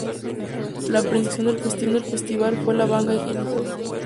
La principal atracción del festival fue la banda inglesa, Keane.